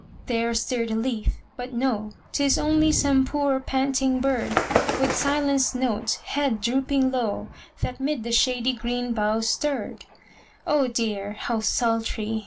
there stirred a leaf, but no, Tis only some poor, panting bird, With silenced note, head drooping low, That 'mid the shady green boughs stirred. Oh dear! how sultry!